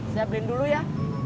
siap beliin dulu ya